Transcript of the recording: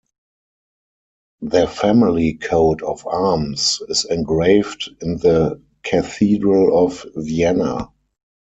Their family coat of arms is engraved in the Cathedral of Vienna.